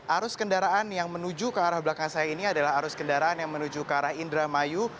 arus kendaraan yang menuju ke arah belakang saya ini adalah arus kendaraan yang menuju ke arah indramayu